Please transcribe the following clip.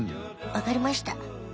わかりました。